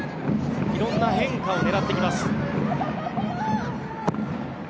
色んな変化を狙ってきます。